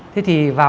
thế thì vào